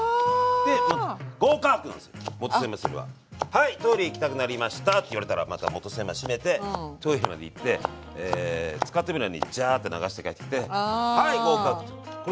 「はいトイレ行きたくなりました」って言われたらまた元栓まで閉めてトイレまで行って使ってもいないのにジャーッて流して帰ってきてはい合格！っていうこれです。